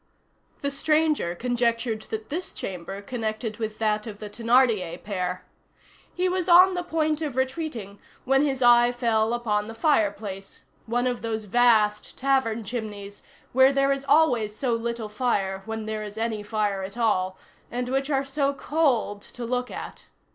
The stranger conjectured that this chamber connected with that of the Thénardier pair. He was on the point of retreating when his eye fell upon the fireplace—one of those vast tavern chimneys where there is always so little fire when there is any fire at all, and which are so cold to look at.